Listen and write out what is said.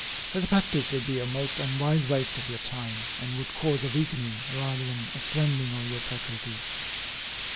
Such a practice would be a most unwise waste of your time, and would cause a weakening, rather than a strengthening, of your faculties.